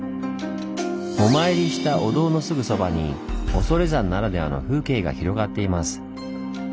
お参りしたお堂のすぐそばに恐山ならではの風景が広がっています。